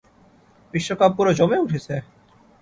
বিশ্বকাপ পুরো জমে উঠেছে।